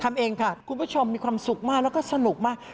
ทำเองค่ะคุณผู้ชมมีความสุขมากแล้วก็สนุกมาก